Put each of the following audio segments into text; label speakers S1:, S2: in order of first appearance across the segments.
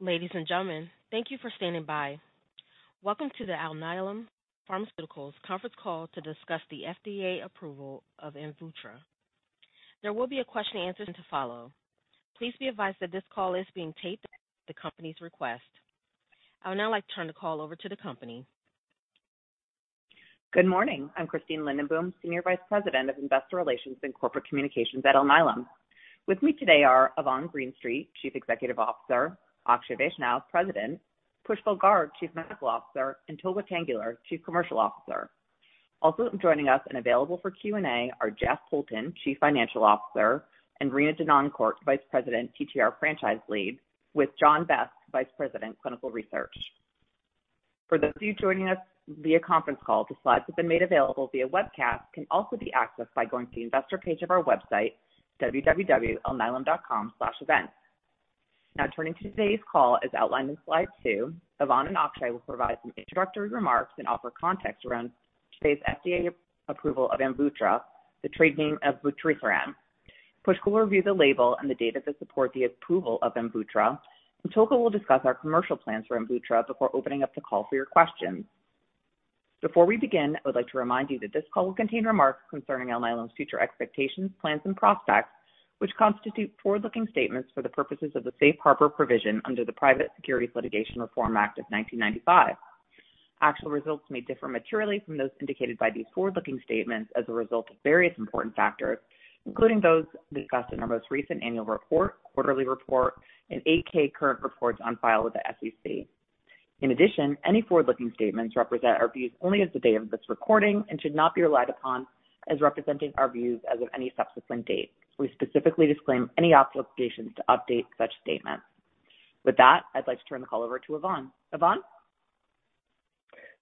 S1: Ladies and gentlemen, thank you for standing by. Welcome to the Alnylam Pharmaceuticals conference call to discuss the FDA approval of AMVUTTRA. There will be a question and answer session to follow. Please be advised that this call is being taped at the company's request. I would now like to turn the call over to the company.
S2: Good morning. I'm Christine Lindenboom, Senior Vice President of Investor Relations and Corporate Communications at Alnylam. With me today are Yvonne Greenstreet, Chief Executive Officer, Akshay Vaishnaw, President, Pushkal Garg, Chief Medical Officer, and Tolga Tanguler, Chief Commercial Officer. Also joining us and available for Q&A are Jeff Poulton, Chief Financial Officer, and Rena Denoncourt, Vice President, TTR Franchise Lead, with John Vest, Vice President, Clinical Research. For those of you joining us via conference call, the slides have been made available via webcast and can also be accessed by going to the investor page of our website, www.alnylam.com/events. Now, turning to today's call, as outlined in slide two, Yvonne and Akshay will provide some introductory remarks and offer context around today's FDA approval of AMVUTTRA, the trade name of vutrisiran. Pushkal will review the label and the data to support the approval of AMVUTTRA, and Tolga will discuss our commercial plans for AMVUTTRA before opening up the call for your questions. Before we begin, I would like to remind you that this call will contain remarks concerning Alnylam's future expectations, plans, and prospects, which constitute forward-looking statements for the purposes of the Safe Harbor Provision under the Private Securities Litigation Reform Act of 1995. Actual results may differ materially from those indicated by these forward-looking statements as a result of various important factors, including those discussed in our most recent annual report, quarterly report, and 8-K current reports on file with the SEC. In addition, any forward-looking statements represent our views only as of the day of this recording and should not be relied upon as representing our views as of any subsequent date. We specifically disclaim any obligations to update such statements. With that, I'd like to turn the call over to Yvonne. Yvonne?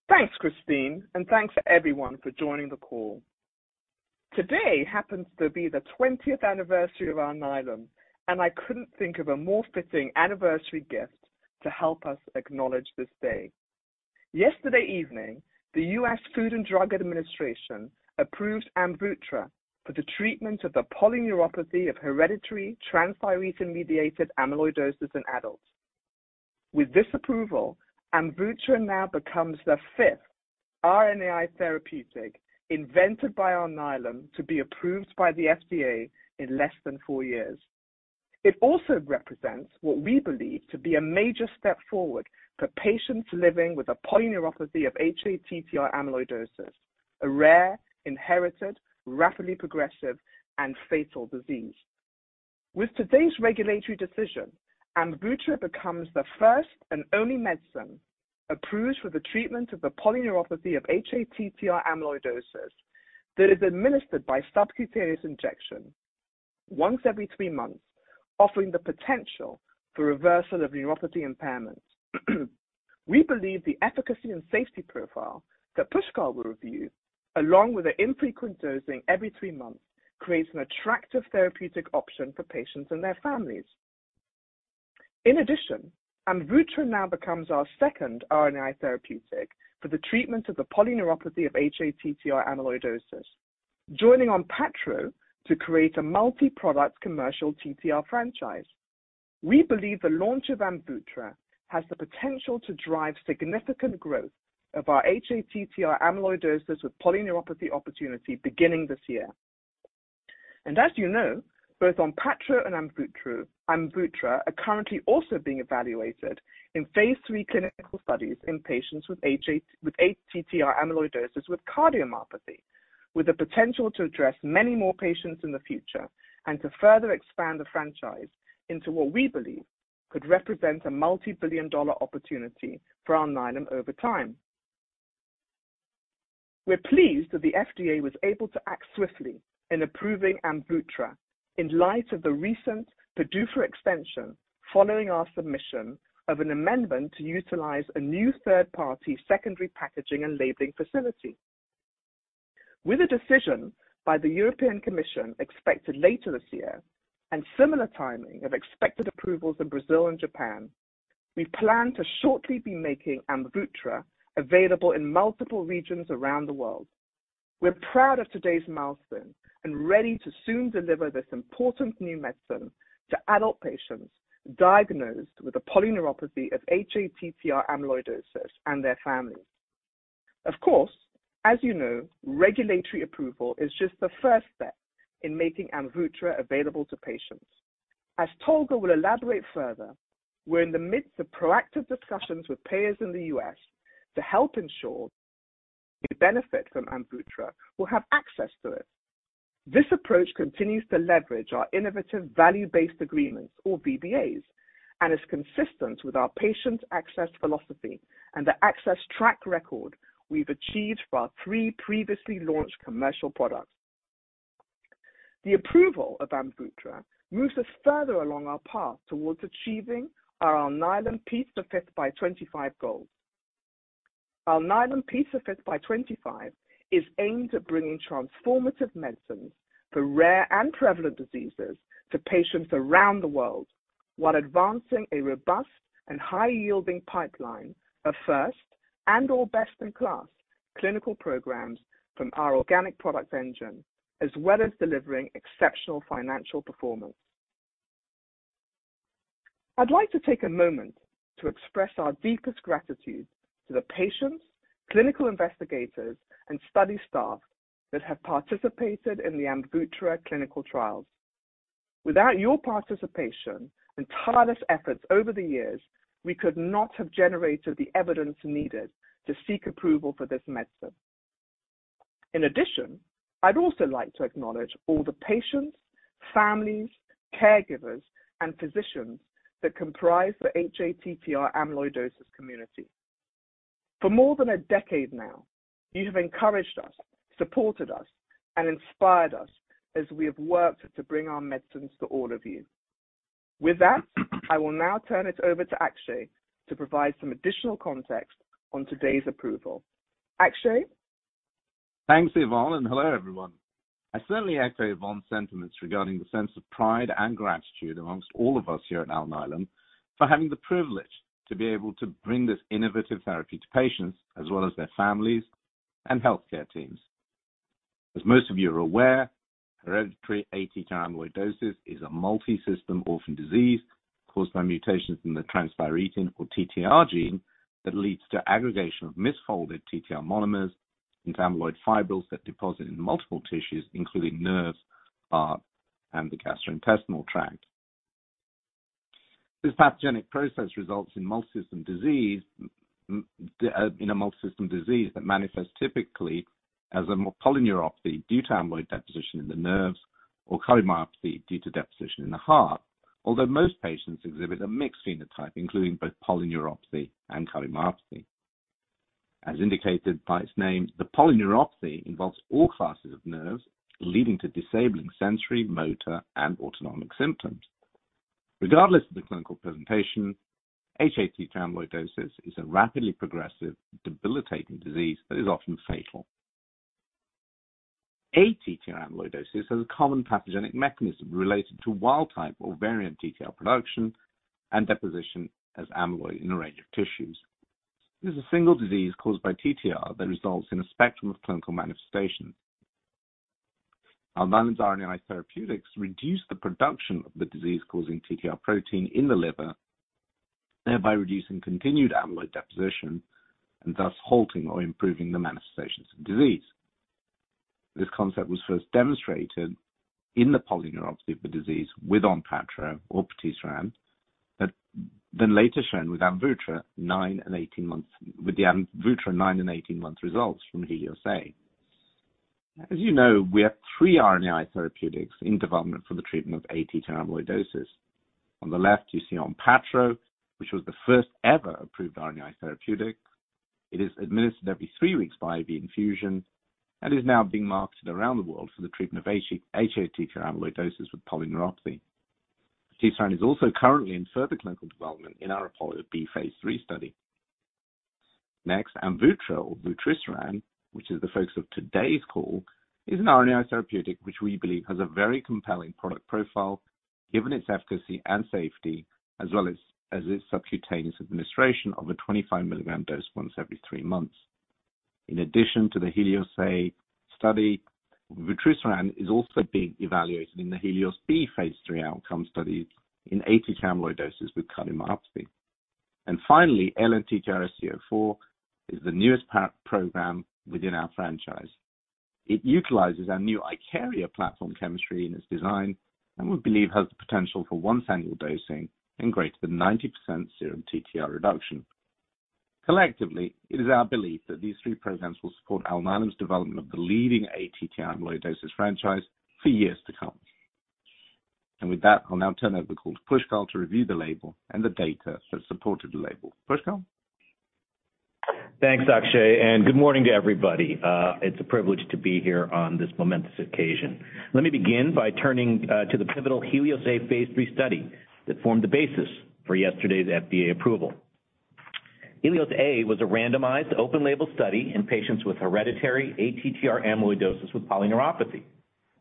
S3: Thanks, Christine, and thanks everyone for joining the call. Today happens to be the 20th anniversary of Alnylam, and I couldn't think of a more fitting anniversary gift to help us acknowledge this day. Yesterday evening, the U.S. Food and Drug Administration approved AMVUTTRA for the treatment of the polyneuropathy of hereditary transthyretin-mediated amyloidosis in adults. With this approval, AMVUTTRA now becomes the fifth RNAi therapeutic invented by Alnylam to be approved by the FDA in less than four years. It also represents what we believe to be a major step forward for patients living with a polyneuropathy of hATTR amyloidosis, a rare, inherited, rapidly progressive, and fatal disease. With today's regulatory decision, AMVUTTRA becomes the first and only medicine approved for the treatment of the polyneuropathy of hATTR amyloidosis that is administered by subcutaneous injection once every three months, offering the potential for reversal of neuropathy impairment. We believe the efficacy and safety profile that Pushkal will review, along with the infrequent dosing every three months, creates an attractive therapeutic option for patients and their families. In addition, AMVUTTRA now becomes our second RNAi therapeutic for the treatment of the polyneuropathy of hATTR amyloidosis, joining ONPATTRO to create a multi-product commercial TTR franchise. We believe the launch of AMVUTTRA has the potential to drive significant growth of our hATTR amyloidosis with polyneuropathy opportunity beginning this year, and as you know, both ONPATTRO and AMVUTTRA, AMVUTTRA is currently also being evaluated in phase 3 clinical studies in patients with hATTR amyloidosis with cardiomyopathy, with the potential to address many more patients in the future and to further expand the franchise into what we believe could represent a multi-billion dollar opportunity for Alnylam over time. We're pleased that the FDA was able to act swiftly in approving AMVUTTRA in light of the recent PDUFA extension following our submission of an amendment to utilize a new third-party secondary packaging and labeling facility. With a decision by the European Commission expected later this year and similar timing of expected approvals in Brazil and Japan, we plan to shortly be making AMVUTTRA available in multiple regions around the world. We're proud of today's milestone and ready to soon deliver this important new medicine to adult patients diagnosed with a polyneuropathy of hATTR amyloidosis and their families. Of course, as you know, regulatory approval is just the first step in making AMVUTTRA available to patients. As Tolga will elaborate further, we're in the midst of proactive discussions with payers in the U.S. to help ensure that those who benefit from AMVUTTRA will have access to it. This approach continues to leverage our innovative value-based agreements, or VBAs, and is consistent with our patient access philosophy and the access track record we've achieved for our three previously launched commercial products. The approval of AMVUTTRA moves us further along our path towards achieving our Alnylam P5x25 goals. Alnylam P5x25 is aimed at bringing transformative medicines for rare and prevalent diseases to patients around the world while advancing a robust and high-yielding pipeline of first and/or best-in-class clinical programs from our organic product engine, as well as delivering exceptional financial performance. I'd like to take a moment to express our deepest gratitude to the patients, clinical investigators, and study staff that have participated in the AMVUTTRA clinical trials. Without your participation and tireless efforts over the years, we could not have generated the evidence needed to seek approval for this medicine. In addition, I'd also like to acknowledge all the patients, families, caregivers, and physicians that comprise the hATTR amyloidosis community. For more than a decade now, you have encouraged us, supported us, and inspired us as we have worked to bring our medicines to all of you. With that, I will now turn it over to Akshay to provide some additional context on today's approval. Akshay?
S4: Thanks, Yvonne, and hello, everyone. I certainly echo Yvonne's sentiments regarding the sense of pride and gratitude among all of us here at Alnylam for having the privilege to be able to bring this innovative therapy to patients as well as their families and healthcare teams. As most of you are aware, hereditary ATTR amyloidosis is a multi-system orphan disease caused by mutations in the transthyretin, or TTR, gene that leads to aggregation of misfolded TTR monomers into amyloid fibrils that deposit in multiple tissues, including nerves, heart, and the gastrointestinal tract. This pathogenic process results in a multi-system disease that manifests typically as a polyneuropathy due to amyloid deposition in the nerves or cardiomyopathy due to deposition in the heart, although most patients exhibit a mixed phenotype, including both polyneuropathy and cardiomyopathy. As indicated by its name, the polyneuropathy involves all classes of nerves, leading to disabling sensory, motor, and autonomic symptoms. Regardless of the clinical presentation, hATTR amyloidosis is a rapidly progressive, debilitating disease that is often fatal. ATTR amyloidosis has a common pathogenic mechanism related to wild-type or variant TTR production and deposition as amyloid in a range of tissues. This is a single disease caused by TTR that results in a spectrum of clinical manifestations. Alnylam's RNAi therapeutics reduce the production of the disease-causing TTR protein in the liver, thereby reducing continued amyloid deposition and thus halting or improving the manifestations of disease. This concept was first demonstrated in the polyneuropathy of the disease with ONPATTRO or vutrisiran, then later shown with vutrisiran 9 and 18 months, with the vutrisiran 9 and 18 month results from HELIOS-A. As you know, we have three RNAi therapeutics in development for the treatment of ATTR amyloidosis. On the left, you see ONPATTRO, which was the first ever approved RNAi therapeutic. It is administered every three weeks by IV infusion and is now being marketed around the world for the treatment of hATTR amyloidosis with polyneuropathy. Vutrisiran is also currently in further clinical development in our APOLLO-B phase 3 study. Next, AMVUTTRA or vutrisiran, which is the focus of today's call, is an RNAi therapeutic which we believe has a very compelling product profile given its efficacy and safety, as well as its subcutaneous administration of a 25 milligram dose once every three months. In addition to the HELIOS-A study, vutrisiran is also being evaluated in the HELIOS-B phase 3 outcome studies in ATTR amyloidosis with cardiomyopathy. Finally, ALN-TTRsc04 is the newest program within our franchise. It utilizes our new IKARIA platform chemistry in its design and we believe has the potential for once-annual dosing and greater than 90% serum TTR reduction. Collectively, it is our belief that these three programs will support Alnylam's development of the leading ATTR amyloidosis franchise for years to come. And with that, I'll now turn over the call to Pushkal to review the label and the data that supported the label. Pushkal?
S5: Thanks, Akshay, and good morning to everybody. It's a privilege to be here on this momentous occasion. Let me begin by turning to the pivotal HELIOS-A phase 3 study that formed the basis for yesterday's FDA approval. HELIOS-A was a randomized open-label study in patients with hereditary ATTR amyloidosis with polyneuropathy.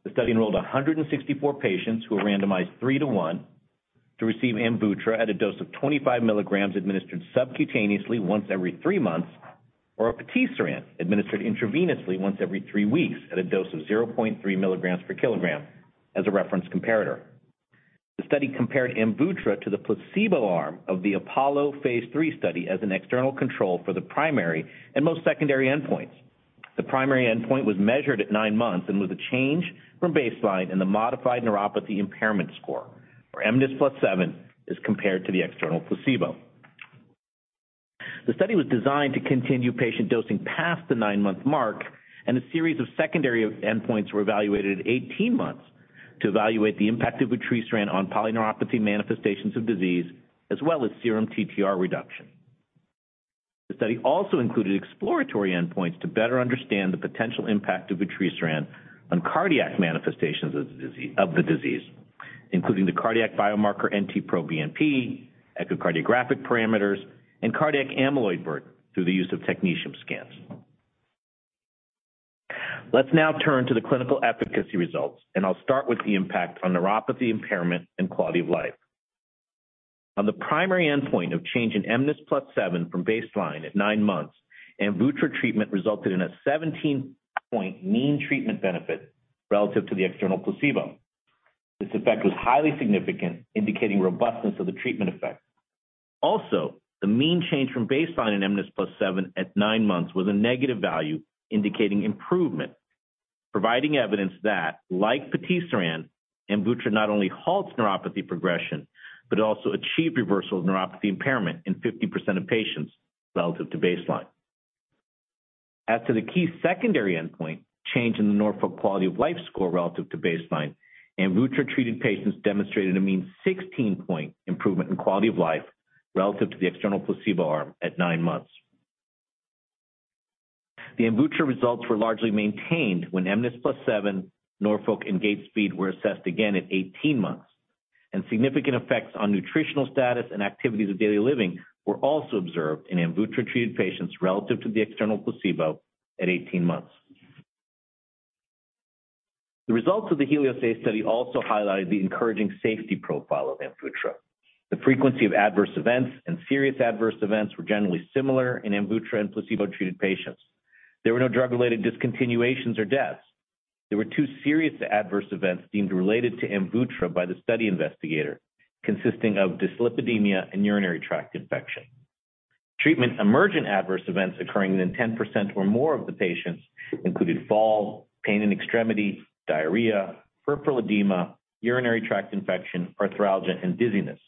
S5: The study enrolled 164 patients who were randomized three to one to receive AMVUTTRA at a dose of 25 milligrams administered subcutaneously once every three months, or patisiran administered intravenously once every three weeks at a dose of 0.3 milligrams per kilogram as a reference comparator. The study compared AMVUTTRA to the placebo arm of the APOLLO phase 3 study as an external control for the primary and most secondary endpoints. The primary endpoint was measured at nine months and was a change from baseline in the modified neuropathy impairment score, or mNIS+7, as compared to the external placebo. The study was designed to continue patient dosing past the nine-month mark, and a series of secondary endpoints were evaluated at 18 months to evaluate the impact of patisiran on polyneuropathy manifestations of disease, as well as serum TTR reduction. The study also included exploratory endpoints to better understand the potential impact of vutrisiran on cardiac manifestations of the disease, including the cardiac biomarker NT-proBNP, echocardiographic parameters, and cardiac amyloid burden through the use of technetium scans. Let's now turn to the clinical efficacy results, and I'll start with the impact on neuropathy impairment and quality of life. On the primary endpoint of change in mNIS+7 from baseline at nine months, AMVUTTRA treatment resulted in a 17-point mean treatment benefit relative to the external placebo. This effect was highly significant, indicating robustness of the treatment effect. Also, the mean change from baseline in mNIS+7 at nine months was a negative value, indicating improvement, providing evidence that, like vutrisiran, AMVUTTRA not only halts neuropathy progression, but it also achieved reversal of neuropathy impairment in 50% of patients relative to baseline. As to the key secondary endpoint, change in the Norfolk Quality of Life score relative to baseline, AMVUTTRA-treated patients demonstrated a mean 16-point improvement in quality of life relative to the external placebo arm at nine months. The AMVUTTRA results were largely maintained when mNIS+7, Norfolk, and gait speed were assessed again at 18 months, and significant effects on nutritional status and activities of daily living were also observed in AMVUTTRA-treated patients relative to the external placebo at 18 months. The results of the HELIOS-A study also highlighted the encouraging safety profile of AMVUTTRA. The frequency of adverse events and serious adverse events were generally similar in AMVUTTRA and placebo-treated patients. There were no drug-related discontinuations or deaths. There were two serious adverse events deemed related to AMVUTTRA by the study investigator, consisting of dyslipidemia and urinary tract infection. Treatment-emergent adverse events occurring in 10% or more of the patients included fall, pain in extremity, diarrhea, peripheral edema, urinary tract infection, arthralgia, and dizziness.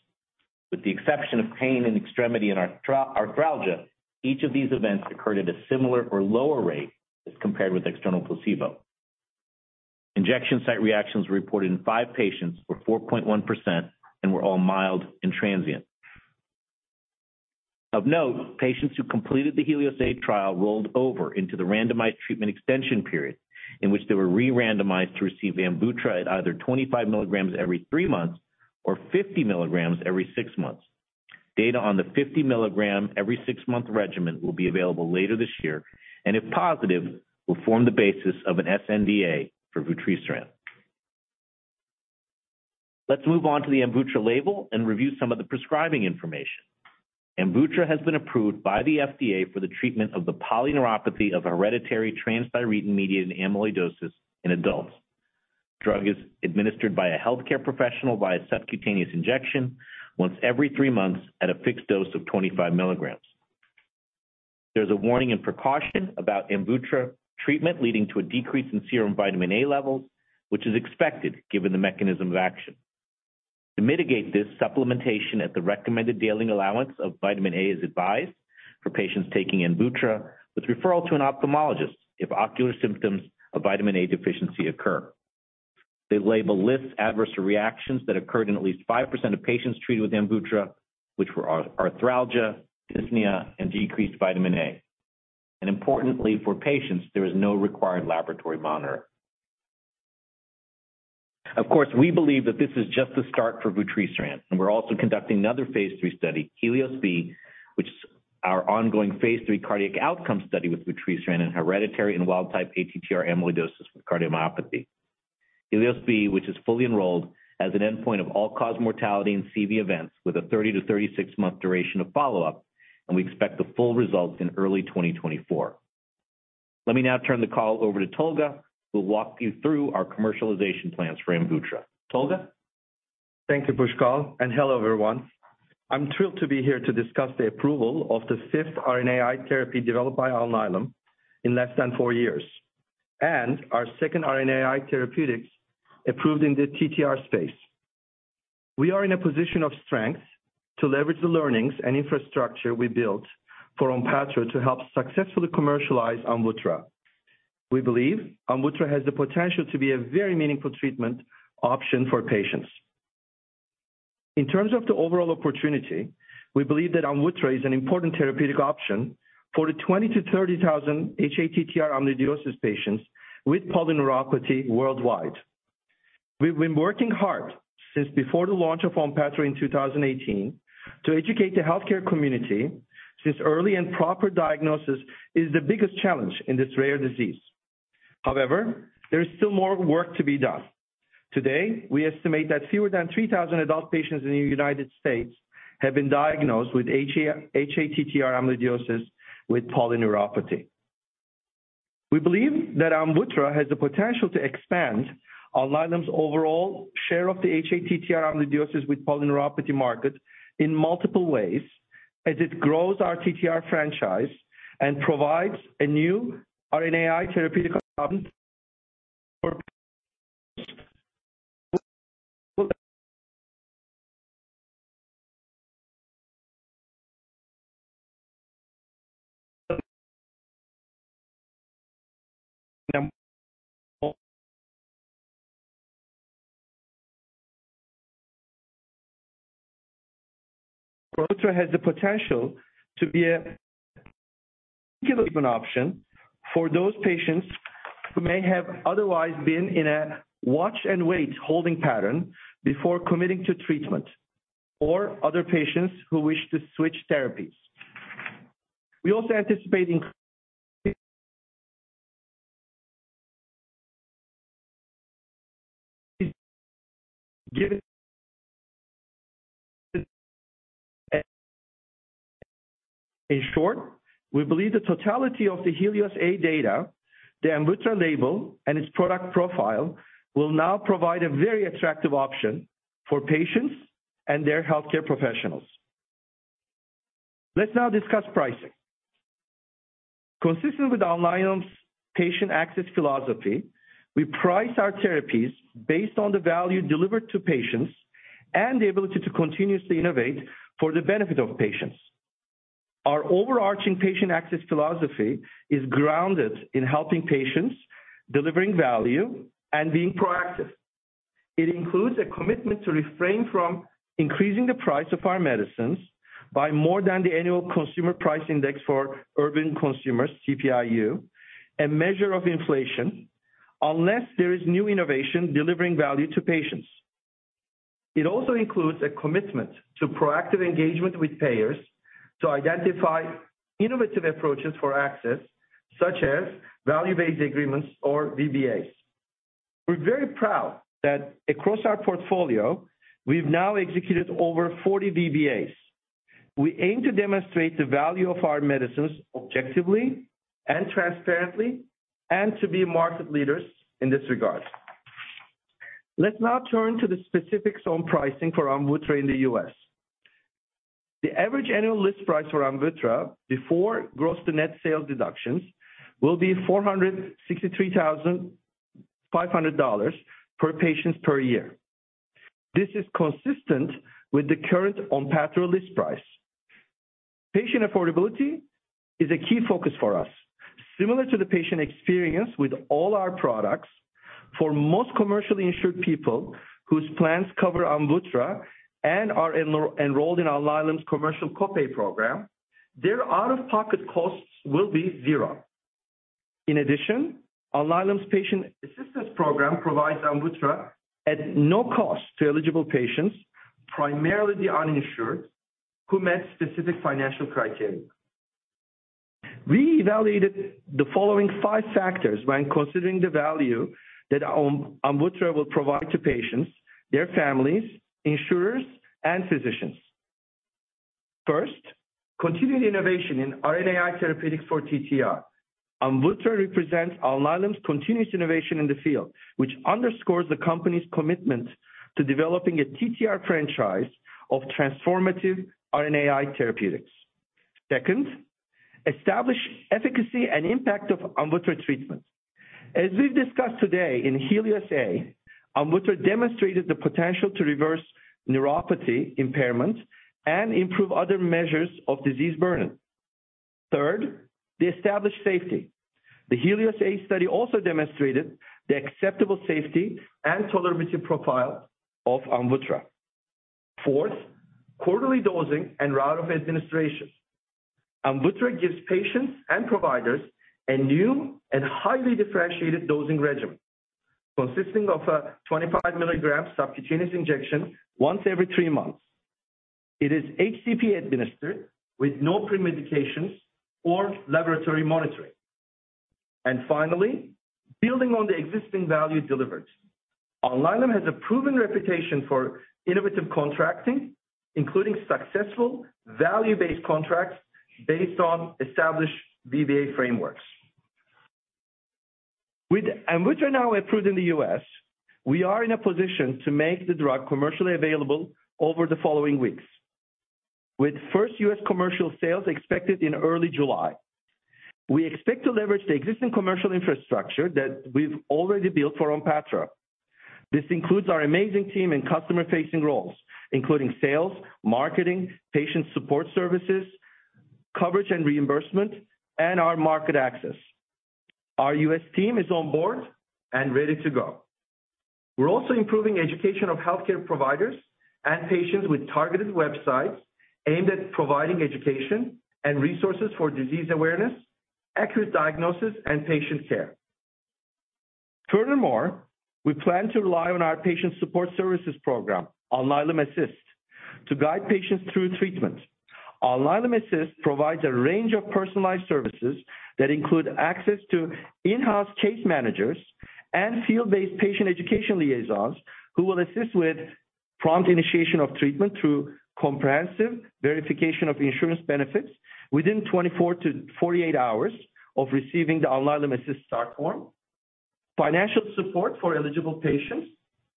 S5: With the exception of pain in extremity and arthralgia, each of these events occurred at a similar or lower rate as compared with external placebo. Injection site reactions were reported in five patients (4.1%) and were all mild and transient. Of note, patients who completed the HELIOS-A trial rolled over into the randomized treatment extension period, in which they were re-randomized to receive AMVUTTRA at either 25 milligrams every three months or 50 milligrams every six months. Data on the 50 milligram every six-month regimen will be available later this year, and if positive, will form the basis of an sNDA for AMVUTTRA. Let's move on to the AMVUTTRA label and review some of the prescribing information. AMVUTTRA has been approved by the FDA for the treatment of the polyneuropathy of hereditary transthyretin-mediated amyloidosis in adults. Drug is administered by a healthcare professional via subcutaneous injection once every three months at a fixed dose of 25 milligrams. There's a warning and precaution about AMVUTTRA treatment leading to a decrease in serum vitamin A levels, which is expected given the mechanism of action. To mitigate this, supplementation at the recommended daily allowance of vitamin A is advised for patients taking AMVUTTRA, with referral to an ophthalmologist if ocular symptoms of vitamin A deficiency occur. The label lists adverse reactions that occurred in at least 5% of patients treated with AMVUTTRA, which were arthralgia, dyspnea, and decreased vitamin A. Importantly, for patients, there is no required laboratory monitor. Of course, we believe that this is just the start for vutrisiran, and we're also conducting another phase three study, HELIOS-B, which is our ongoing phase three cardiac outcome study with vutrisiran and hereditary and wild-type ATTR amyloidosis with cardiomyopathy. HELIOS-B, which is fully enrolled as an endpoint of all-cause mortality and CV events with a 30-36-month duration of follow-up, and we expect the full results in early 2024. Let me now turn the call over to Tolga, who will walk you through our commercialization plans for AMVUTTRA. Tolga?
S6: Thank you, Pushkal, and hello, everyone. I'm thrilled to be here to discuss the approval of the fifth RNAi therapy developed by Alnylam in less than four years, and our second RNAi therapeutics approved in the TTR space. We are in a position of strength to leverage the learnings and infrastructure we built for ONPATTRO to help successfully commercialize AMVUTTRA. We believe AMVUTTRA has the potential to be a very meaningful treatment option for patients. In terms of the overall opportunity, we believe that AMVUTTRA is an important therapeutic option for the 20-30,000 hATTR amyloidosis patients with polyneuropathy worldwide. We've been working hard since before the launch of ONPATTRO in 2018 to educate the healthcare community since early and proper diagnosis is the biggest challenge in this rare disease. However, there is still more work to be done. Today, we estimate that fewer than 3,000 adult patients in the United States have been diagnosed with hATTR amyloidosis with polyneuropathy. We believe that AMVUTTRA has the potential to expand Alnylam's overall share of the hATTR amyloidosis with polyneuropathy market in multiple ways as it grows our TTR franchise and provides a new RNAi therapeutic option for patients. AMVUTTRA has the potential to be a key treatment option for those patients who may have otherwise been in a watch and wait holding pattern before committing to treatment, or other patients who wish to switch therapies. We also anticipate. In short, we believe the totality of the HELIOS-A data, the AMVUTTRA label, and its product profile will now provide a very attractive option for patients and their healthcare professionals. Let's now discuss pricing. Consistent with Alnylam's patient access philosophy, we price our therapies based on the value delivered to patients and the ability to continuously innovate for the benefit of patients. Our overarching patient access philosophy is grounded in helping patients deliver value and being proactive. It includes a commitment to refrain from increasing the price of our medicines by more than the annual consumer price index for urban consumers, CPI-U, and measure of inflation unless there is new innovation delivering value to patients. It also includes a commitment to proactive engagement with payers to identify innovative approaches for access, such as value-based agreements or VBAs. We're very proud that across our portfolio, we've now executed over 40 VBAs. We aim to demonstrate the value of our medicines objectively and transparently and to be market leaders in this regard. Let's now turn to the specifics on pricing for AMVUTTRA in the U.S. The average annual list price for AMVUTTRA before gross-to-net sales deductions will be $463,500 per patient per year. This is consistent with the current ONPATTRO list price. Patient affordability is a key focus for us, similar to the patient experience with all our products. For most commercially insured people whose plans cover AMVUTTRA and are enrolled in Alnylam's commercial copay program, their out-of-pocket costs will be zero. In addition, Alnylam's patient assistance program provides AMVUTTRA at no cost to eligible patients, primarily the uninsured, who met specific financial criteria. We evaluated the following five factors when considering the value that AMVUTTRA will provide to patients, their families, insurers, and physicians. First, continued innovation in RNAi therapeutics for TTR. AMVUTTRA represents Alnylam's continuous innovation in the field, which underscores the company's commitment to developing a TTR franchise of transformative RNAi therapeutics. Second, established efficacy and impact of AMVUTTRA treatment. As we've discussed today in HELIOS-A, AMVUTTRA demonstrated the potential to reverse neuropathy impairment and improve other measures of disease burden. Third, the established safety. The HELIOS-A study also demonstrated the acceptable safety and tolerability profile of AMVUTTRA. Fourth, quarterly dosing and route of administration. AMVUTTRA gives patients and providers a new and highly differentiated dosing regimen, consisting of a 25 milligram subcutaneous injection once every three months. It is HCP administered with no pre-medications or laboratory monitoring. And finally, building on the existing value delivered, Alnylam has a proven reputation for innovative contracting, including successful value-based contracts based on established VBA frameworks. With AMVUTTRA now approved in the U.S., we are in a position to make the drug commercially available over the following weeks, with first U.S. commercial sales expected in early July. We expect to leverage the existing commercial infrastructure that we've already built for ONPATTRO. This includes our amazing team in customer-facing roles, including sales, marketing, patient support services, coverage and reimbursement, and our market access. Our U.S. team is on board and ready to go. We're also improving education of healthcare providers and patients with targeted websites aimed at providing education and resources for disease awareness, accurate diagnosis, and patient care. Furthermore, we plan to rely on our patient support services program, Alnylam Assist, to guide patients through treatment. Alnylam Assist provides a range of personalized services that include access to in-house case managers and field-based patient education liaisons who will assist with prompt initiation of treatment through comprehensive verification of insurance benefits within 24 to 48 hours of receiving the Alnylam Assist start form, financial support for eligible patients,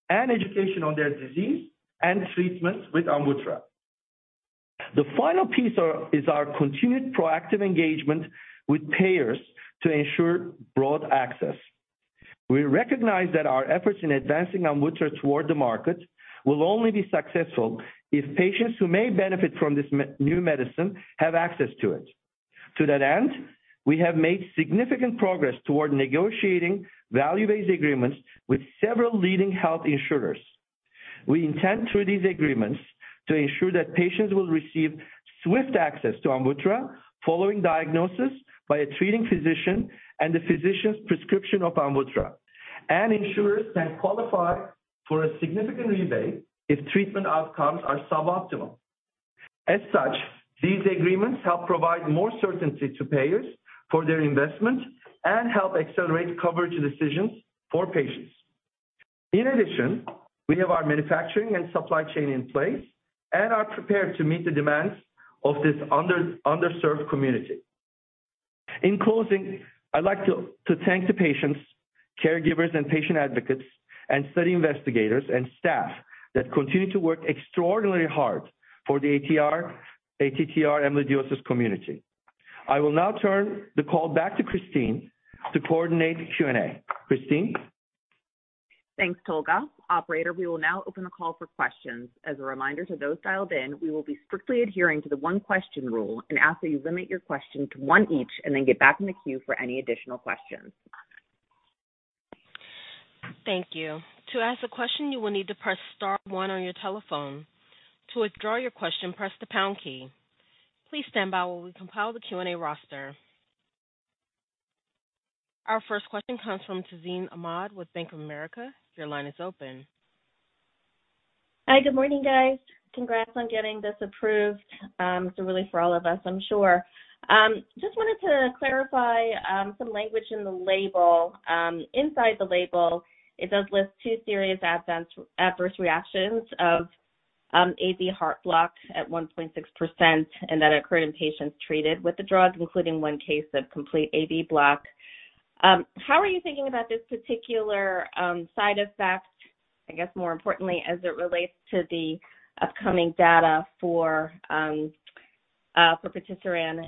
S6: and education on their disease and treatment with AMVUTTRA. The final piece is our continued proactive engagement with payers to ensure broad access. We recognize that our efforts in advancing AMVUTTRA toward the market will only be successful if patients who may benefit from this new medicine have access to it. To that end, we have made significant progress toward negotiating value-based agreements with several leading health insurers. We intend through these agreements to ensure that patients will receive swift access to AMVUTTRA following diagnosis by a treating physician and the physician's prescription of AMVUTTRA, and insurers can qualify for a significant rebate if treatment outcomes are suboptimal. As such, these agreements help provide more certainty to payers for their investment and help accelerate coverage decisions for patients. In addition, we have our manufacturing and supply chain in place and are prepared to meet the demands of this underserved community. In closing, I'd like to thank the patients, caregivers, and patient advocates, and study investigators and staff that continue to work extraordinarily hard for the ATTR amyloidosis community. I will now turn the call back to Christine to coordinate Q&A. Christine?
S2: Thanks, Tolga. Operator, we will now open the call for questions. As a reminder to those dialed in, we will be strictly adhering to the one-question rule and ask that you limit your question to one each and then get back in the queue for any additional questions.
S1: Thank you. To ask a question, you will need to press star one on your telephone. To withdraw your question, press the pound key. Please stand by while we compile the Q&A roster. Our first question comes from Tazeen Ahmad with Bank of America. Your line is open.
S7: Hi, good morning, guys. Congrats on getting this approved. It's a relief for all of us, I'm sure. Just wanted to clarify some language in the label. Inside the label, it does list two serious adverse reactions of AV heart block at 1.6%, and that occurred in patients treated with the drug, including one case of complete AV block. How are you thinking about this particular side effect? I guess more importantly, as it relates to the upcoming data for vutrisiran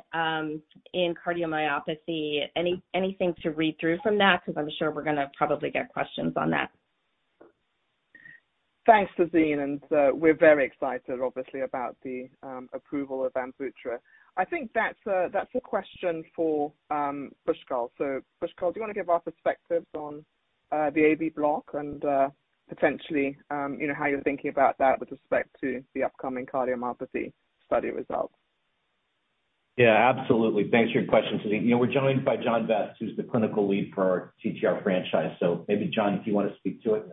S7: in cardiomyopathy, anything to read through from that? Because I'm sure we're going to probably get questions on that.
S3: Thanks, Tazeen, and we're very excited, obviously, about the approval of AMVUTTRA. I think that's a question for Pushkal, so Pushkal, do you want to give our perspectives on the AV block and potentially how you're thinking about that with respect to the upcoming cardiomyopathy study results?
S5: Yeah, absolutely. Thanks for your question, Tazeen. We're joined by John Vest, who's the clinical lead for our TTR franchise. So maybe, John, if you want to speak to it.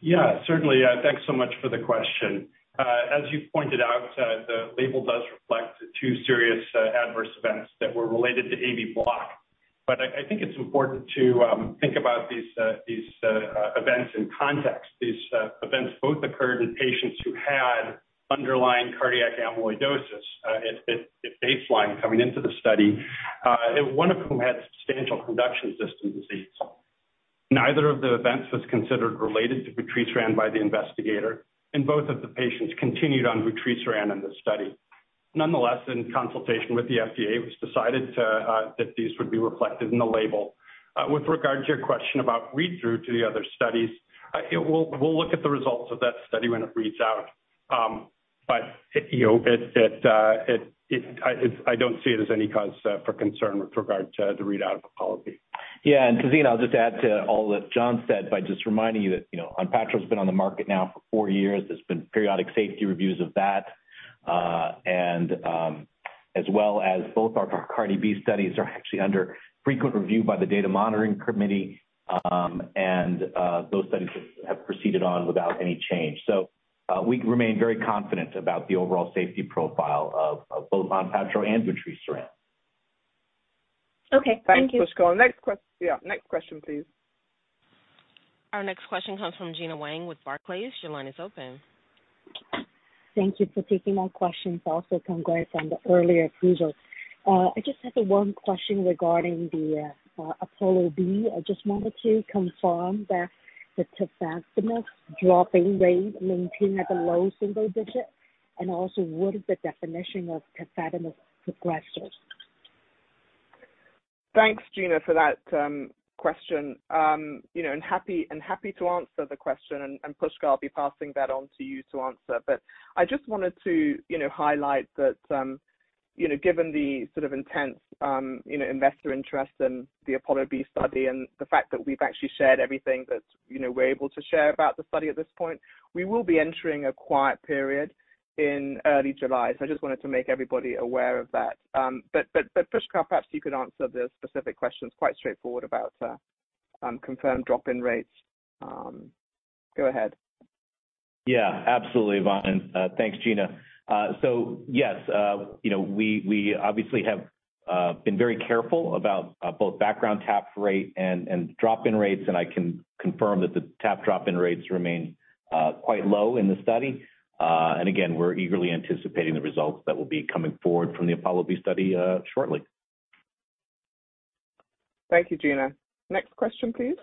S8: Yeah, certainly. Thanks so much for the question. As you pointed out, the label does reflect two serious adverse events that were related to AV block. But I think it's important to think about these events in context. These events both occurred in patients who had underlying cardiac amyloidosis at baseline coming into the study, one of whom had substantial conduction system disease. Neither of the events was considered related to vutrisiran by the investigator, and both of the patients continued on vutrisiran in the study. Nonetheless, in consultation with the FDA, it was decided that these would be reflected in the label. With regard to your question about read-through to the other studies, we'll look at the results of that study when it reads out. But I don't see it as any cause for concern with regard to the readout of APOLLO-B.
S5: Yeah. And, Tazeen, I'll just add to all that John said by just reminding you that ONPATTRO has been on the market now for four years. There's been periodic safety reviews of that, as well as both our HELIOS-B studies are under frequent review by the Data Monitoring Committee, and those studies have proceeded on without any change. So we remain very confident about the overall safety profile of both ONPATTRO and vutrisiran.
S7: Okay. Thank you.
S3: Thanks, Pushkal. Next question, please.
S1: Our next question comes from Gena Wang with Barclays. Your line is open.
S7: Thank you for taking my questions. Also, congrats on the earlier approval. I just have one question regarding the Apollo B. I just wanted to confirm that the tafamidis dropout rate maintained at the low single digit, and also, what is the definition of tafamidis progressors?
S3: Thanks, Gena, for that question. I'm happy to answer the question, and Pushkal, I'll be passing that on to you to answer. But I just wanted to highlight that, given the sort of intense investor interest in the APOLLO-B study and the fact that we've actually shared everything that we're able to share about the study at this point, we will be entering a quiet period in early July. So I just wanted to make everybody aware of that. But, Pushkal, perhaps you could answer the specific questions quite straightforward about confirmed drop-in rates. Go ahead.
S5: Yeah, absolutely, Yvonne. Thanks, Gena. So, yes, we obviously have been very careful about both background TTR rate and drop-in rates, and I can confirm that the TTR/drop-in rates remain quite low in the study. And again, we're eagerly anticipating the results that will be coming forward from the Apollo B study shortly.
S3: Thank you, Gena. Next question, please.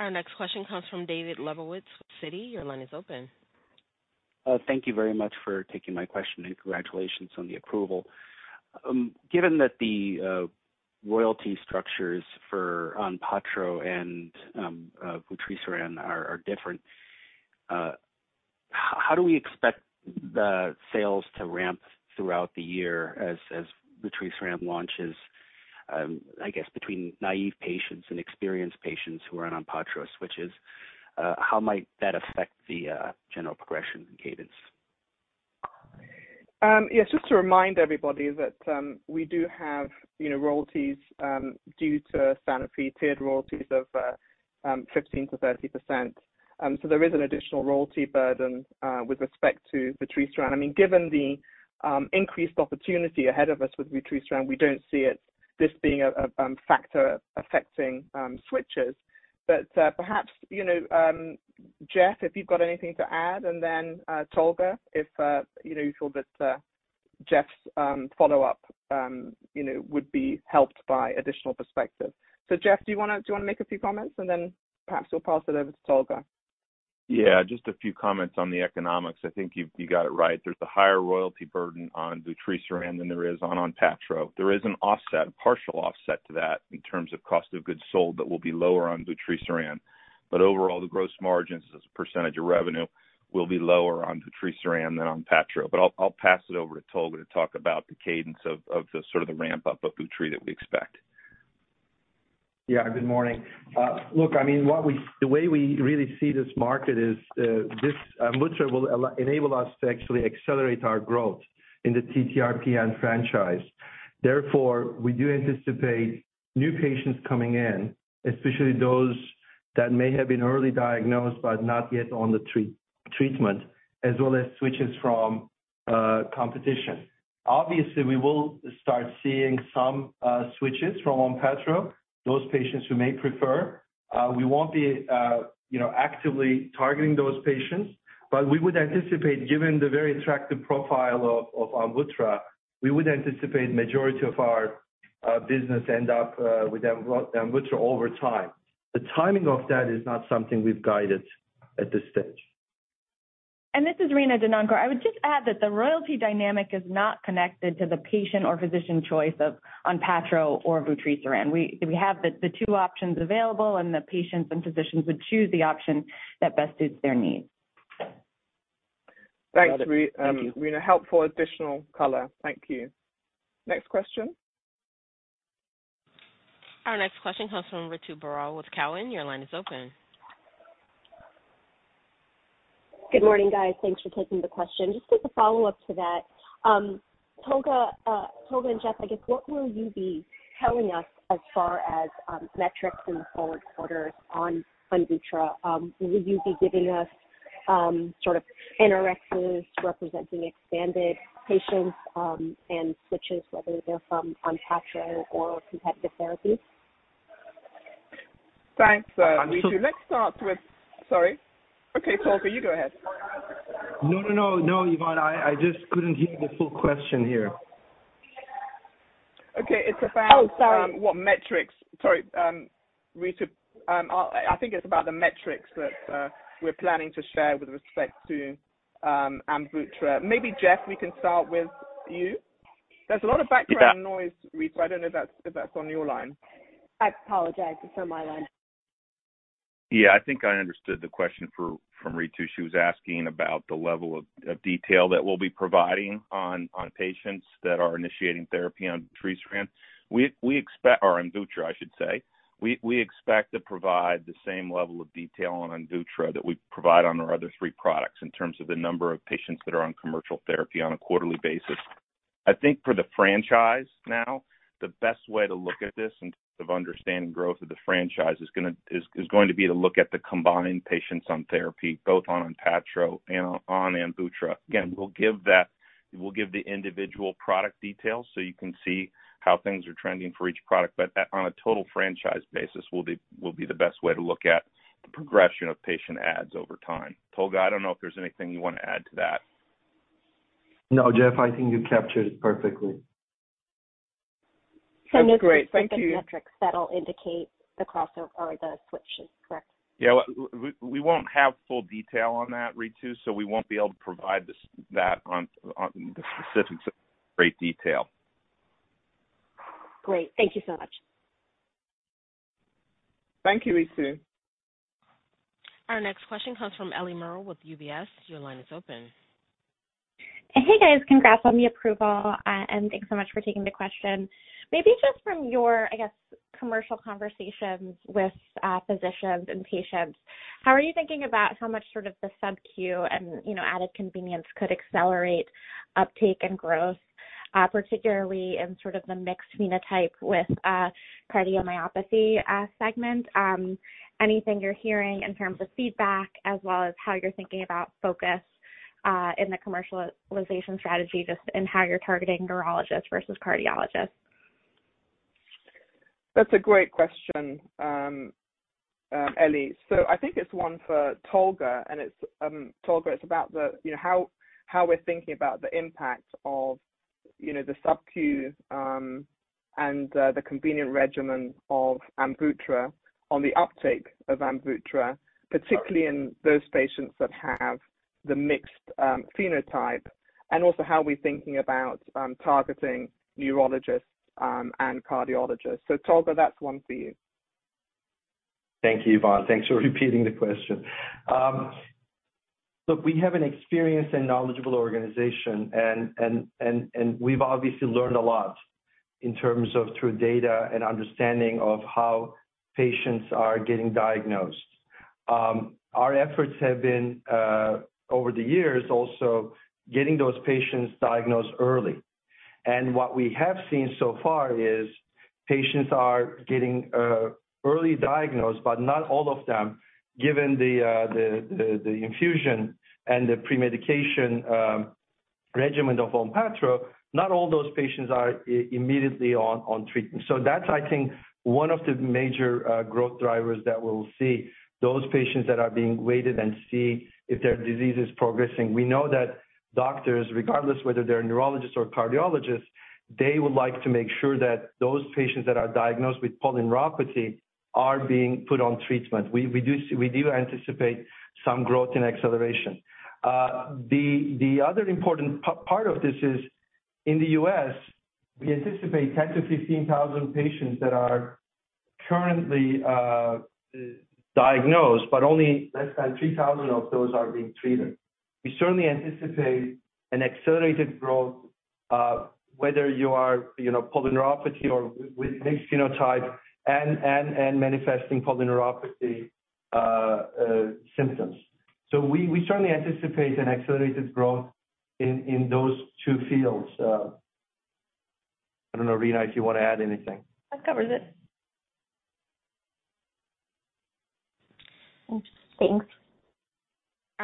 S1: Our next question comes from David Lebowitz with Citi. Your line is open.
S7: Thank you very much for taking my question, and congratulations on the approval. Given that the royalty structures for ONPATTRO and vutrisiran are different, how do we expect the sales to ramp throughout the year as vutrisiran launches, I guess, between naive patients and experienced patients who are on ONPATTRO switches? How might that affect the general progression cadence?
S3: Yes, just to remind everybody that we do have royalties due to Sanofi tiered royalties of 15%-30%. So there is an additional royalty burden with respect to vutrisiran. I mean, given the increased opportunity ahead of us with vutrisiran, we don't see this being a factor affecting switches. But perhaps, Jeff, if you've got anything to add, and then Tolga, if you feel that Jeff's follow-up would be helped by additional perspective. So, Jeff, do you want to make a few comments? And then perhaps we'll pass it over to Tolga.
S9: Yeah, just a few comments on the economics. I think you got it right. There's a higher royalty burden on vutrisiran than there is on ONPATTRO. There is an offset, a partial offset to that in terms of cost of goods sold that will be lower on vutrisiran. But overall, the gross margins as a percentage of revenue will be lower on vutrisiran than ONPATTRO. But I'll pass it over to Tolga to talk about the cadence of sort of the ramp-up of vutrisiran that we expect.
S6: Yeah, good morning. Look, I mean, the way we really see this market is this AMVUTTRA will enable us to actually accelerate our growth in the TTRPN franchise. Therefore, we do anticipate new patients coming in, especially those that may have been early diagnosed but not yet on the treatment, as well as switches from competition. Obviously, we will start seeing some switches from ONPATTRO, those patients who may prefer. We won't be actively targeting those patients, but we would anticipate, given the very attractive profile of AMVUTTRA, we would anticipate the majority of our business ends up with AMVUTTRA over time. The timing of that is not something we've guided at this stage.
S10: This is Rena Denoncourt. I would just add that the royalty dynamic is not connected to the patient or physician choice of ONPATTRO or vutrisiran. We have the two options available, and the patients and physicians would choose the option that best suits their needs.
S3: Thank you. We need help for additional color. Thank you. Next question.
S1: Our next question comes from Ritu Baral with Cowen. Your line is open.
S7: Good morning, guys. Thanks for taking the question. Just as a follow-up to that, Tolga, Jeff, I guess, what will you be telling us as far as metrics and forward quarters on AMVUTTRA? Will you be giving us sort of NRx's representing expanded patients and switches, whether they're from ONPATTRO or competitive therapy?
S3: Thanks, Ritu. Let's start with, sorry. Okay, Tolga, you go ahead.
S6: No, no, no. No, Yvonne. I just couldn't hear the full question here.
S3: Okay. It's about what metrics, sorry, Ritu. I think it's about the metrics that we're planning to share with respect to AMVUTTRA. Maybe, Jeff, we can start with you. There's a lot of background noise, Ritu. I don't know if that's on your line.
S11: I apologize. It's on my line.
S9: Yeah, I think I understood the question from Ritu. She was asking about the level of detail that we'll be providing on patients that are initiating therapy on AMVUTTRA. We expect—or AMVUTTRA, I should say—we expect to provide the same level of detail on AMVUTTRA that we provide on our other three products in terms of the number of patients that are on commercial therapy on a quarterly basis. I think for the franchise now, the best way to look at this in terms of understanding growth of the franchise is going to be to look at the combined patients on therapy, both on ONPATTRO and on AMVUTTRA. Again, we'll give the individual product details so you can see how things are trending for each product. But on a total franchise basis, will be the best way to look at the progression of patient adds over time. Tolga, I don't know if there's anything you want to add to that.
S6: No, Jeff, I think you captured it perfectly.
S11: So no specific metrics that'll indicate the cost of the switches, correct?
S9: Yeah, we won't have full detail on that, Ritu, so we won't be able to provide that in specific great detail.
S11: Great. Thank you so much.
S3: Thank you, Ritu.
S1: Our next question comes from Eliana Merle with UBS. Your line is open.
S12: Hey, guys. Congrats on the approval, and thanks so much for taking the question. Maybe just from your, I guess, commercial conversations with physicians and patients, how are you thinking about how much sort of the sub-Q and added convenience could accelerate uptake and growth, particularly in sort of the mixed phenotype with cardiomyopathy segment? Anything you're hearing in terms of feedback, as well as how you're thinking about focus in the commercialization strategy, just in how you're targeting neurologists versus cardiologists?
S3: That's a great question, Ellie. So I think it's one for Tolga. And, Tolga, it's about how we're thinking about the impact of the sub-Q and the convenient regimen of AMVUTTRA on the uptake of AMVUTTRA, particularly in those patients that have the mixed phenotype, and also how we're thinking about targeting neurologists and cardiologists. So, Tolga, that's one for you.
S6: Thank you, Yvonne. Thanks for repeating the question. Look, we have an experienced and knowledgeable organization, and we've obviously learned a lot in terms of data and understanding of how patients are getting diagnosed. Our efforts have been, over the years, also getting those patients diagnosed early, and what we have seen so far is patients are getting early diagnosed, but not all of them, given the infusion and the pre-medication regimen of ONPATTRO, not all those patients are immediately on treatment. So that's, I think, one of the major growth drivers that we'll see, those patients that are being waited and see if their disease is progressing. We know that doctors, regardless whether they're neurologists or cardiologists, they would like to make sure that those patients that are diagnosed with polyneuropathy are being put on treatment. We do anticipate some growth and acceleration. The other important part of this is, in the U.S., we anticipate 10,000 to 15,000 patients that are currently diagnosed, but only less than 3,000 of those are being treated. We certainly anticipate an accelerated growth, whether you are polyneuropathy or with mixed phenotype and manifesting polyneuropathy symptoms. So we certainly anticipate an accelerated growth in those two fields. I don't know, Rena, if you want to add anything.
S12: That covers it. Thanks.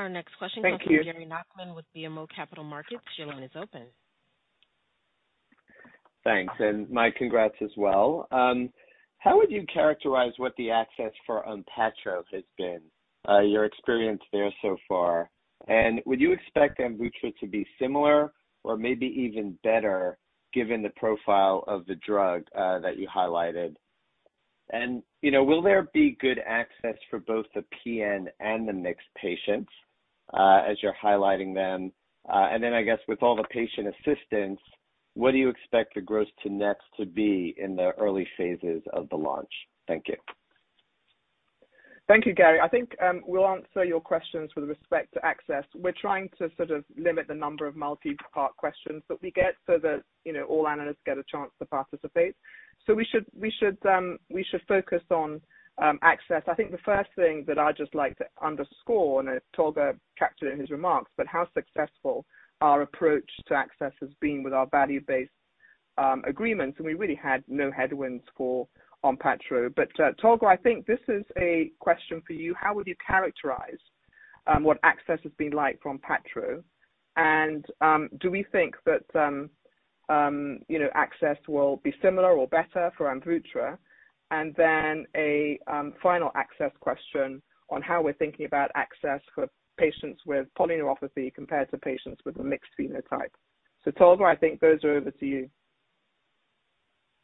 S1: Our next question comes from Gary Nachman with BMO Capital Markets. Your line is open.
S13: Thanks. And my congrats as well. How would you characterize what the access for ONPATTRO has been, your experience there so far? And would you expect AMVUTTRA to be similar or maybe even better, given the profile of the drug that you highlighted? And will there be good access for both the PN and the mixed patients, as you're highlighting them? And then, I guess, with all the patient assistance, what do you expect the gross to net to be in the early phases of the launch? Thank you.
S3: Thank you, Gary. I think we'll answer your questions with respect to access. We're trying to sort of limit the number of multi-part questions that we get so that all analysts get a chance to participate. So we should focus on access. I think the first thing that I'd just like to underscore, and Tolga captured in his remarks, but how successful our approach to access has been with our value-based agreements, and we really had no headwinds for ONPATTRO. But Tolga, I think this is a question for you. How would you characterize what access has been like for ONPATTRO? And do we think that access will be similar or better for AMVUTTRA? And then a final access question on how we're thinking about access for patients with polyneuropathy compared to patients with a mixed phenotype. So Tolga, I think those are over to you.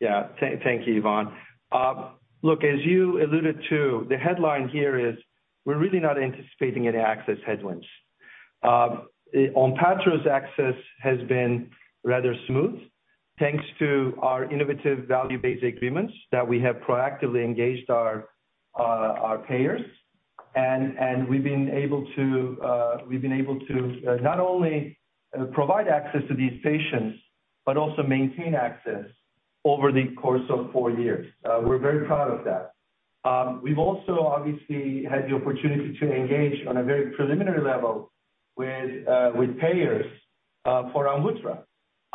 S6: Yeah, thank you, Yvonne. Look, as you alluded to, the headline here is we're really not anticipating any access headwinds. ONPATTRO's access has been rather smooth, thanks to our innovative value-based agreements that we have proactively engaged our payers. And we've been able to not only provide access to these patients, but also maintain access over the course of four years. We're very proud of that. We've also, obviously, had the opportunity to engage on a very preliminary level with payers for AMVUTTRA.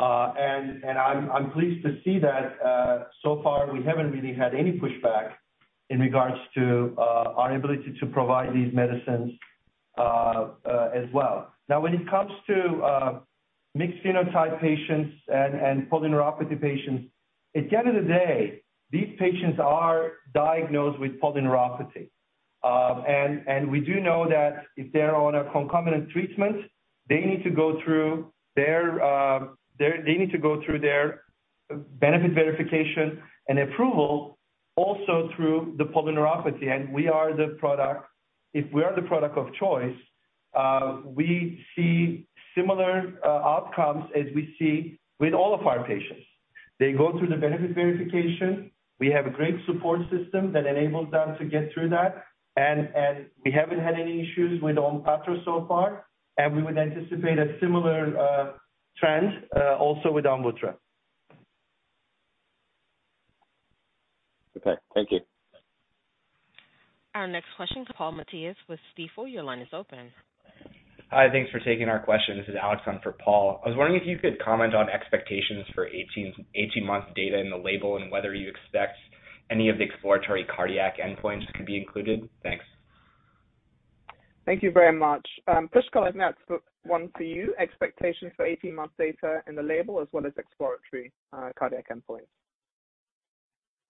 S6: And I'm pleased to see that so far, we haven't really had any pushback in regards to our ability to provide these medicines as well. Now, when it comes to mixed phenotype patients and polyneuropathy patients, at the end of the day, these patients are diagnosed with polyneuropathy. We do know that if they're on a concomitant treatment, they need to go through their benefit verification and approval also through the polyneuropathy. We are the product if we are the product of choice, we see similar outcomes as we see with all of our patients. They go through the benefit verification. We have a great support system that enables them to get through that. We haven't had any issues with ONPATTRO so far. We would anticipate a similar trend also with AMVUTTRA.
S13: Okay. Thank you.
S1: Our next question. Paul Matteis with Stifel. Your line is open.
S14: Hi. Thanks for taking our question. This is Alex on for Paul. I was wondering if you could comment on expectations for 18-month data in the label and whether you expect any of the exploratory cardiac endpoints could be included? Thanks.
S3: Thank you very much. Pushkal, I think that's the one for you, expectations for 18-month data in the label as well as exploratory cardiac endpoints.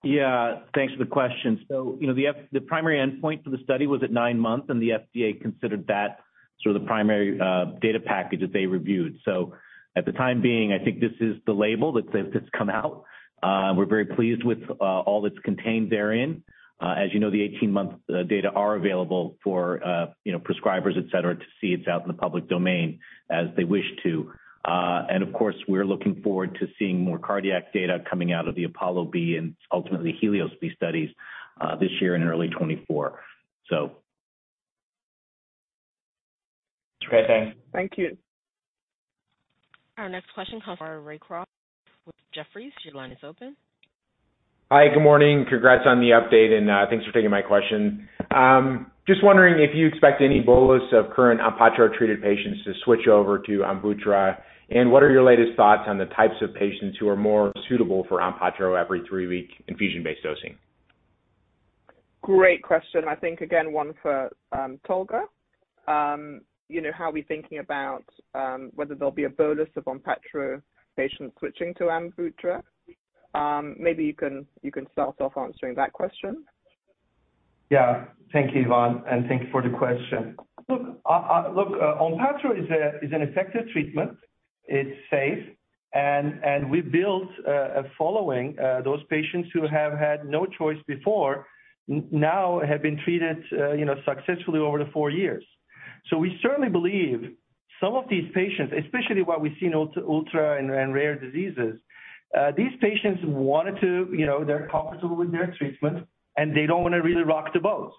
S5: Yeah. Thanks for the question. So the primary endpoint for the study was at nine months, and the FDA considered that sort of the primary data package that they reviewed. So at the time being, I think this is the label that's come out. We're very pleased with all that's contained therein. As you know, the 18-month data are available for prescribers, etc., to see it's out in the public domain as they wish to. And, of course, we're looking forward to seeing more cardiac data coming out of the APOLLO-B and ultimately HELIOS-B studies this year and early 2024, so.
S14: Okay. Thanks.
S3: Thank you.
S1: Our next question comes from Ross with Jefferies. Your line is open.
S15: Hi. Good morning. Congrats on the update, and thanks for taking my question. Just wondering if you expect any bolus of current ONPATTRO-treated patients to switch over to AMVUTTRA, and what are your latest thoughts on the types of patients who are more suitable for ONPATTRO every three week infusion-based dosing?
S3: Great question. I think, again, one for Tolga. How are we thinking about whether there'll be a bolus of ONPATTRO patients switching to AMVUTTRA? Maybe you can start off answering that question.
S6: Yeah. Thank you, Yvonne. And thank you for the question. Look, ONPATTRO is an effective treatment. It's safe. And we built a following. Those patients who have had no choice before now have been treated successfully over the four years. So we certainly believe some of these patients, especially what we see in ultra-rare diseases, these patients wanted to—they're comfortable with their treatment, and they don't want to really rock the boat.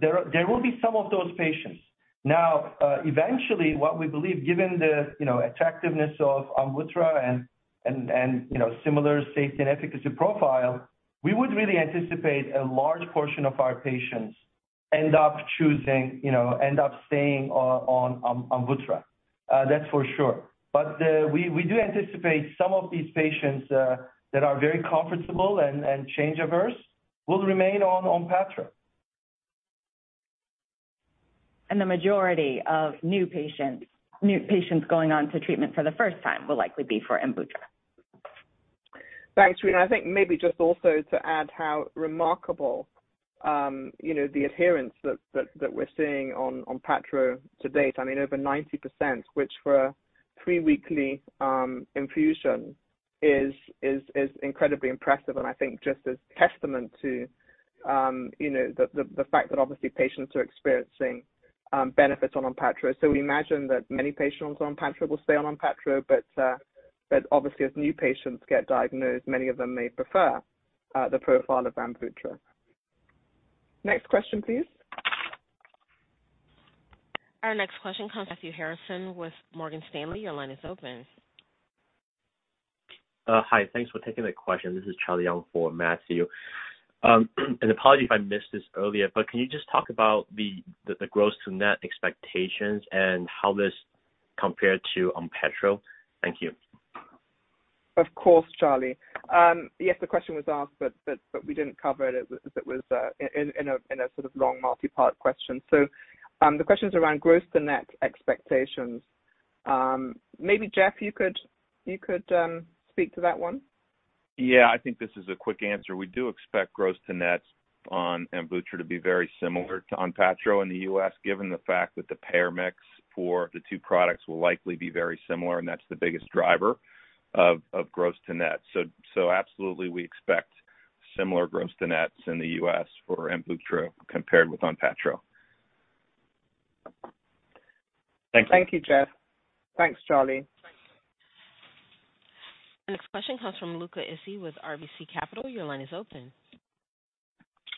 S6: There will be some of those patients. Now, eventually, what we believe, given the attractiveness of AMVUTTRA and similar safety and efficacy profile, we would really anticipate a large portion of our patients end up choosing—end up staying on AMVUTTRA. That's for sure. But we do anticipate some of these patients that are very comfortable and change-averse will remain on ONPATTRO.
S10: The majority of new patients going on to treatment for the first time will likely be for AMVUTTRA.
S3: Thanks, Rena. I think maybe just also to add how remarkable the adherence that we're seeing on ONPATTRO to date. I mean, over 90%, which for a three-weekly infusion is incredibly impressive, and I think just as a testament to the fact that, obviously, patients are experiencing benefits on ONPATTRO. So we imagine that many patients on ONPATTRO will stay on ONPATTRO, but obviously, as new patients get diagnosed, many of them may prefer the profile of AMVUTTRA. Next question, please.
S1: Our next question comes from Matthew Harrison with Morgan Stanley. Your line is open.
S16: Hi. Thanks for taking the question. This is Charlie Young for Matthew, and apologies if I missed this earlier, but can you just talk about the gross to net expectations and how this compared to ONPATTRO? Thank you.
S3: Of course, Charlie. Yes, the question was asked, but we didn't cover it as it was in a sort of long multi-part question. So the question's around gross to net expectations. Maybe Jeff, you could speak to that one.
S9: Yeah. I think this is a quick answer. We do expect gross to net on AMVUTTRA to be very similar to ONPATTRO in the U.S., given the fact that the payer mix for the two products will likely be very similar, and that's the biggest driver of gross to net. So absolutely, we expect similar gross to nets in the U.S. for AMVUTTRA compared with ONPATTRO. Thank you.
S3: Thank you, Jeff. Thanks, Charlie.
S1: Next question comes from Luca Issi with RBC Capital. Your line is open.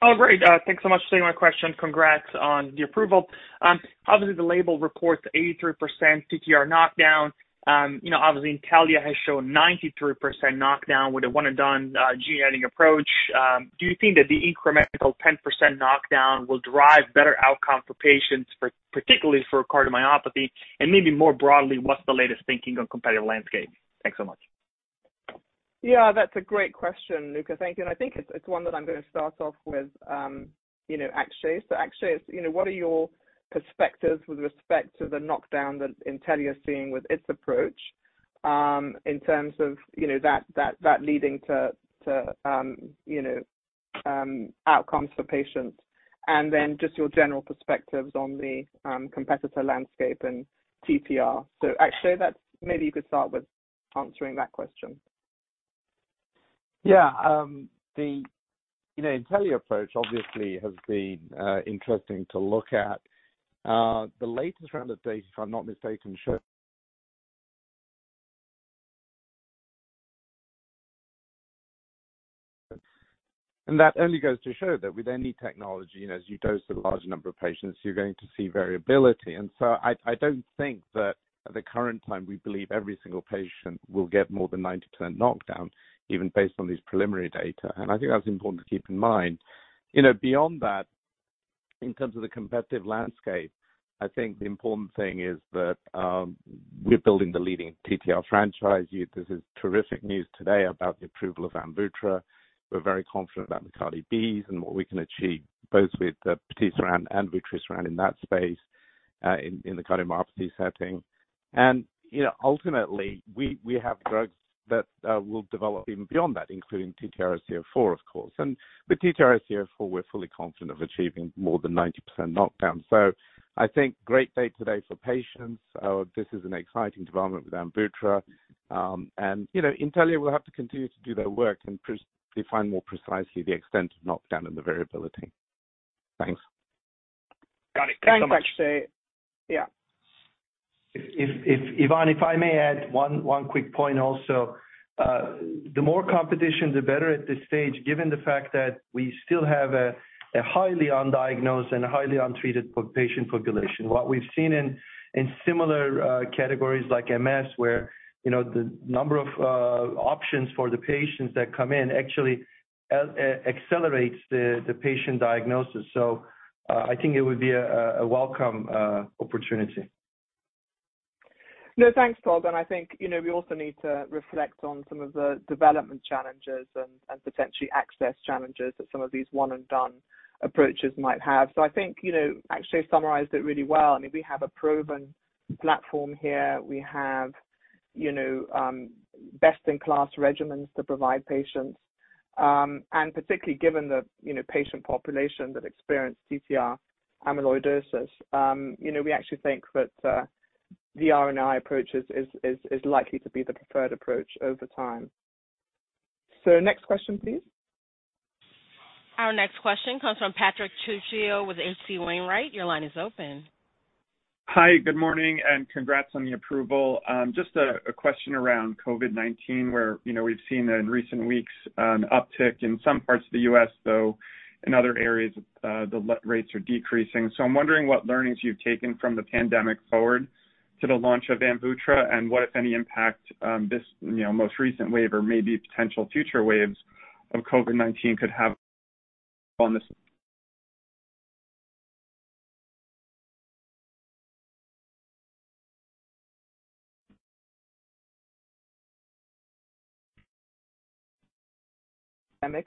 S17: Oh, great. Thanks so much for taking my question. Congrats on the approval. Obviously, the label reports 83% TTR knockdown. Obviously, Intellia has shown 93% knockdown with a one-and-done gene editing approach. Do you think that the incremental 10% knockdown will drive better outcome for patients, particularly for cardiomyopathy? And maybe more broadly, what's the latest thinking on the competitive landscape? Thanks so much.
S3: Yeah. That's a great question, Luca. Thank you. And I think it's one that I'm going to start off with, actually. So actually, what are your perspectives with respect to the knockdown that Intellia is seeing with its approach in terms of that leading to outcomes for patients? And then just your general perspectives on the competitor landscape and TTR. So actually, maybe you could start with answering that question.
S9: Yeah. The Intellia approach, obviously, has been interesting to look at. The latest round of data, if I'm not mistaken, showed, and that only goes to show that with any technology, as you dose a large number of patients, you're going to see variability. And so I don't think that at the current time, we believe every single patient will get more than 90% knockdown, even based on these preliminary data. And I think that's important to keep in mind. Beyond that, in terms of the competitive landscape, I think the important thing is that we're building the leading TTR franchise. This is terrific news today about the approval of AMVUTTRA. We're very confident about the cardiac benefits and what we can achieve both with the patisiran and AMVUTTRA in that space in the cardiomyopathy setting. And ultimately, we have drugs that will develop even beyond that, including ALN-TTRsc04, of course. With ALN-TTRsc04, we're fully confident of achieving more than 90% knockdown. I think great day today for patients. This is an exciting development with AMVUTTRA. Intellia will have to continue to do their work and define more precisely the extent of knockdown and the variability. Thanks.
S17: Got it. Thanks so much. Yeah.
S5: Yvonne, if I may add one quick point also. The more competition, the better at this stage, given the fact that we still have a highly undiagnosed and a highly untreated patient population. What we've seen in similar categories like MS, where the number of options for the patients that come in actually accelerates the patient diagnosis. So I think it would be a welcome opportunity.
S3: No, thanks, Paul. And I think we also need to reflect on some of the development challenges and potentially access challenges that some of these one-and-done approaches might have. So I think actually summarized it really well. I mean, we have a proven platform here. We have best-in-class regimens to provide patients. And particularly given the patient population that experienced TTR amyloidosis, we actually think that the RNAi approach is likely to be the preferred approach over time. So next question, please.
S1: Our next question comes from Patrick Trucchio with H.C. Wainwright. Your line is open.
S18: Hi. Good morning. And congrats on the approval. Just a question around COVID-19, where we've seen in recent weeks an uptick in some parts of the U.S., though in other areas, the rates are decreasing. So I'm wondering what learnings you've taken from the pandemic forward to the launch of AMVUTTRA and what, if any, impact this most recent wave or maybe potential future waves of COVID-19 could have on this.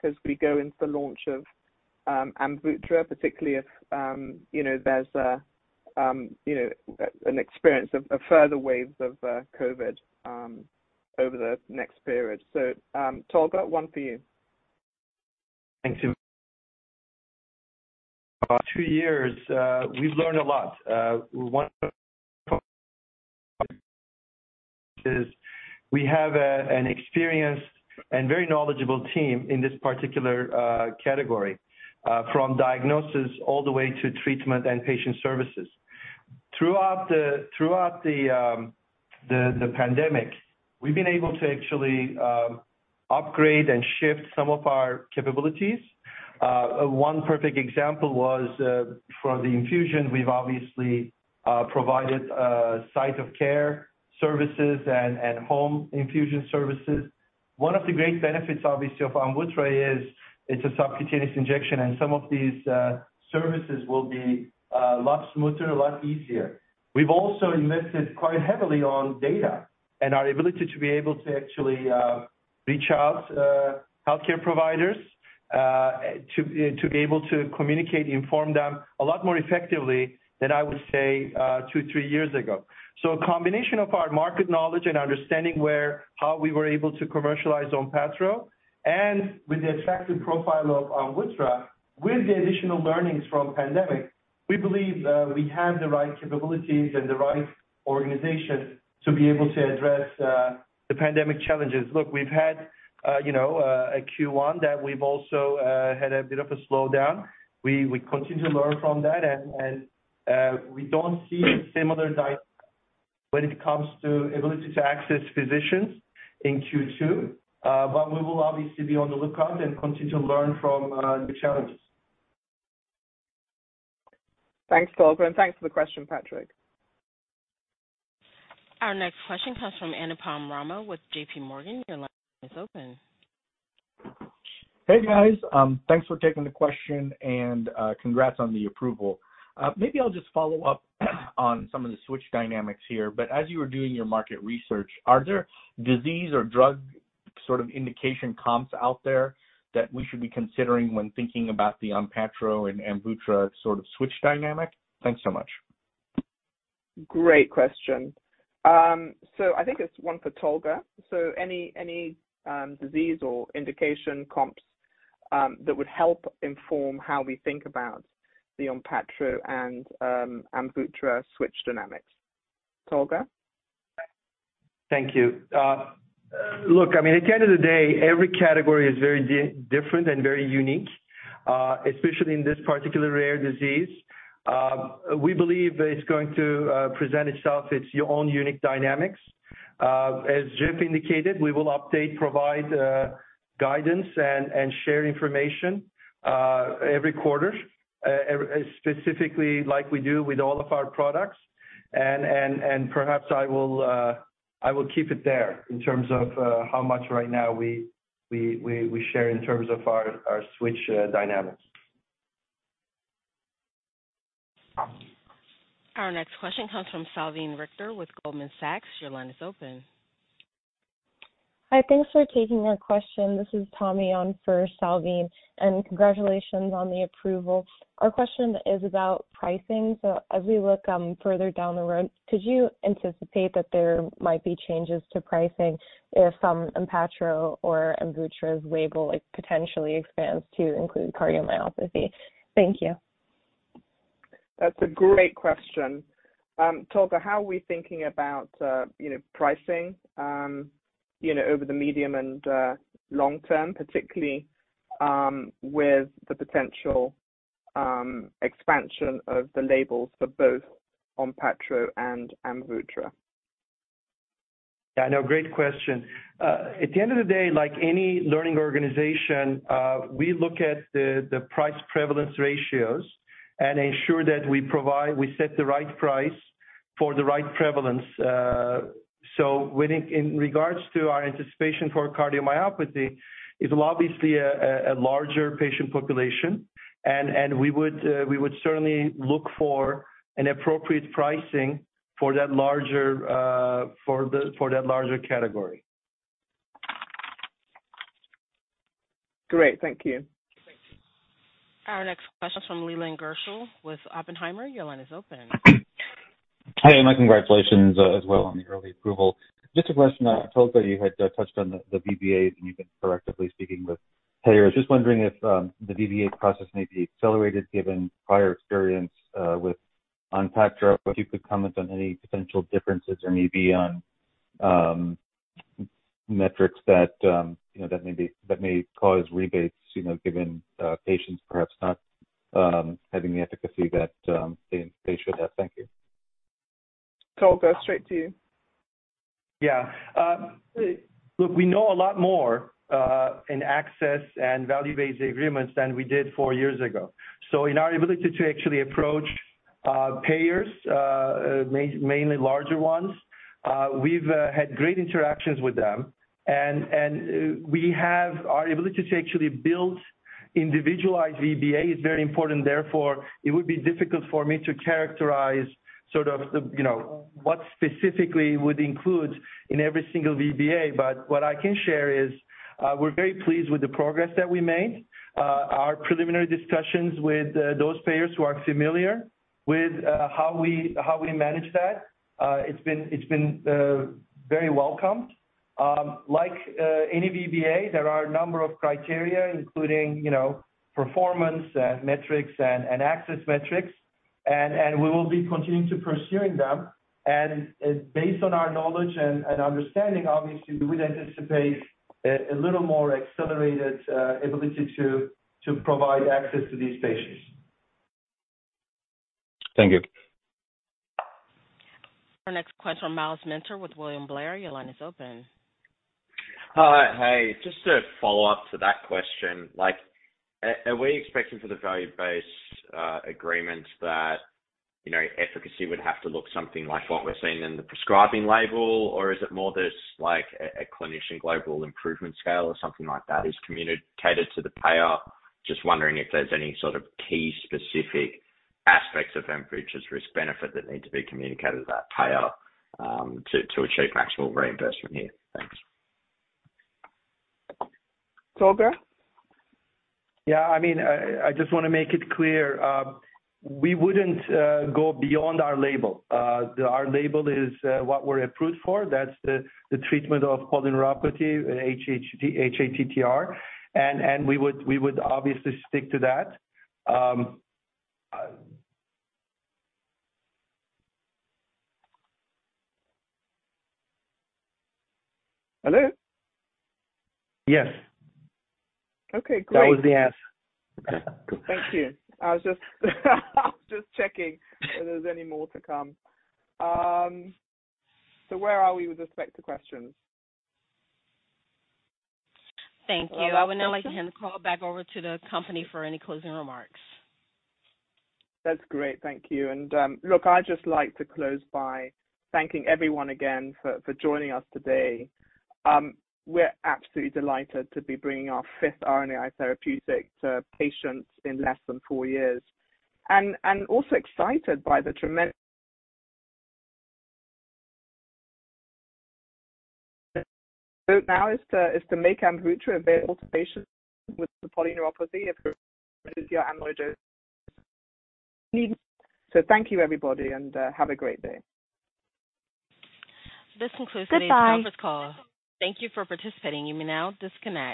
S3: As we go into the launch of AMVUTTRA, particularly if there's an experience of further waves of COVID over the next period. So Tolga, one for you.
S6: Thanks. Two years, we've learned a lot. One of the things is we have an experienced and very knowledgeable team in this particular category, from diagnosis all the way to treatment and patient services. Throughout the pandemic, we've been able to actually upgrade and shift some of our capabilities. One perfect example was for the infusion. We've obviously provided site-of-care services and home infusion services. One of the great benefits, obviously, of AMVUTTRA is it's a subcutaneous injection, and some of these services will be a lot smoother, a lot easier. We've also invested quite heavily on data and our ability to be able to actually reach out to healthcare providers to be able to communicate, inform them a lot more effectively than I would say two, three years ago. So a combination of our market knowledge and understanding how we were able to commercialize ONPATTRO and with the attractive profile of AMVUTTRA, with the additional learnings from the pandemic, we believe we have the right capabilities and the right organization to be able to address the pandemic challenges. Look, we've had a Q1 that we've also had a bit of a slowdown. We continue to learn from that, and we don't see a similar dynamic when it comes to the ability to access physicians in Q2. But we will obviously be on the lookout and continue to learn from the challenges.
S3: Thanks, Tolga. And thanks for the question, Patrick.
S1: Our next question comes from Anupam Rama with J.P. Morgan. Your line is open.
S19: Hey, guys. Thanks for taking the question, and congrats on the approval. Maybe I'll just follow up on some of the switch dynamics here. But as you were doing your market research, are there disease or drug sort of indication comps out there that we should be considering when thinking about the ONPATTRO and AMVUTTRA sort of switch dynamic? Thanks so much.
S3: Great question. So I think it's one for Tolga. So any disease or indication comps that would help inform how we think about the ONPATTRO and AMVUTTRA switch dynamics? Tolga?
S6: Thank you. Look, I mean, at the end of the day, every category is very different and very unique, especially in this particular rare disease. We believe it's going to present itself. It's your own unique dynamics. As Jeff indicated, we will update, provide guidance, and share information every quarter, specifically like we do with all of our products, and perhaps I will keep it there in terms of how much right now we share in terms of our switch dynamics.
S1: Our next question comes from Salveen Richter with Goldman Sachs. Your line is open.
S20: Hi. Thanks for taking our question. This is Tommy Young for Salveen, and congratulations on the approval. Our question is about pricing, so as we look further down the road, could you anticipate that there might be changes to pricing if ONPATTRO or AMVUTTRA's label potentially expands to include cardiomyopathy? Thank you.
S3: That's a great question. Tolga, how are we thinking about pricing over the medium and long term, particularly with the potential expansion of the labels for both ONPATTRO and AMVUTTRA?
S6: Yeah. No, great question. At the end of the day, like any learning organization, we look at the price prevalence ratios and ensure that we set the right price for the right prevalence. So in regards to our anticipation for cardiomyopathy, it's obviously a larger patient population, and we would certainly look for an appropriate pricing for that larger category.
S3: Great. Thank you.
S1: Our next question is from Leland Gershell with Oppenheimer. Your line is open.
S21: Hi, Eliana. Congratulations as well on the early approval. Just a question. Tolga, you had touched on the VBA, and you've been proactively speaking with payers. Just wondering if the VBA process may be accelerated given prior experience with ONPATTRO. If you could comment on any potential differences or maybe on metrics that may cause rebates given patients perhaps not having the efficacy that they should have. Thank you.
S3: Tolga, straight to you.
S6: Yeah. Look, we know a lot more in access and value-based agreements than we did four years ago. So in our ability to actually approach payers, mainly larger ones, we've had great interactions with them. And our ability to actually build individualized VBA is very important. Therefore, it would be difficult for me to characterize sort of what specifically would include in every single VBA. But what I can share is we're very pleased with the progress that we made. Our preliminary discussions with those payers who are familiar with how we manage that, it's been very welcomed. Like any VBA, there are a number of criteria, including performance and metrics and access metrics. And we will be continuing to pursue them. And based on our knowledge and understanding, obviously, we would anticipate a little more accelerated ability to provide access to these patients.
S21: Thank you.
S1: Our next question is from Myles Minter with William Blair. Your line is open.
S22: Hi. Just to follow up to that question, are we expecting for the value-based agreement that efficacy would have to look something like what we're seeing in the prescribing label, or is it more that a clinician global improvement scale or something like that is communicated to the payer? Just wondering if there's any sort of key specific aspects of AMVUTTRA's risk-benefit that need to be communicated to that payer to achieve maximal reimbursement here. Thanks.
S3: Tolga.
S6: Yeah. I mean, I just want to make it clear. We wouldn't go beyond our label. Our label is what we're approved for. That's the treatment of polyneuropathy and hATTR. And we would obviously stick to that.
S3: Hello?
S6: Yes.
S3: Okay. Great.
S6: That was the answer.
S3: Thank you. I was just checking if there's any more to come. So where are we with respect to questions?
S1: Thank you. I would now like to hand the call back over to the company for any closing remarks.
S3: That's great. Thank you. And look, I'd just like to close by thanking everyone again for joining us today. We're absolutely delighted to be bringing our fifth RNAi therapeutic to patients in less than four years. And also excited by the tremendous work now is to make AMVUTTRA available to patients with polyneuropathy of hATTR amyloidosis. So thank you, everybody, and have a great day.
S1: This concludes today's conference call. Goodbye. Thank you for participating. You may now disconnect.